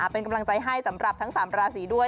เป็นกำลังใจให้สำหรับทั้ง๓ราศีด้วย